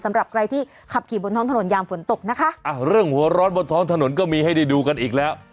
สำหรับใครที่ขับขี่บนท้องถนนยามฝนตกนะคะอ่ะเรื่องหัวร้อนบนท้องถนนก็มีให้ได้ดูกันอีกแล้ว